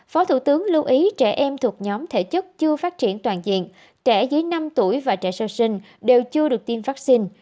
phó thủ tướng lưu ý trẻ em thuộc nhóm thể chất chưa phát triển toàn diện trẻ dưới năm tuổi và trẻ sơ sinh đều chưa được tiêm vaccine